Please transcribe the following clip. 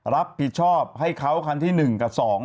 รับผิดชอบให้เขาคันที่๑กับ๒